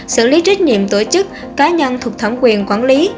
xử lý trách nhiệm tổ chức cá nhân thuộc thẩm quyền quản lý